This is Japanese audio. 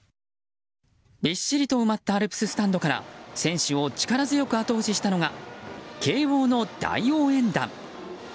びっしりと埋まったアルプススタンドから選手を力強く後押ししたのが慶応の大応援団。